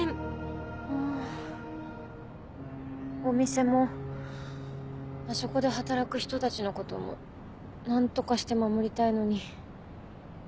お店もあそこで働く人たちのことも何とかして守りたいのに。